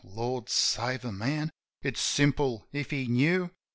Lord save a man ! It's simple if he knew.